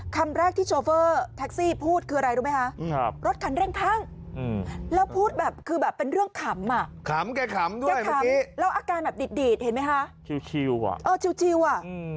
คำแรกที่ชอเฟอร์ทักซี่พูดคืออะไรรู้ไหมคะ